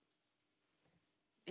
え？